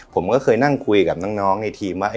ผมก็เคยนั่งคุยกับน้องในทีมว่า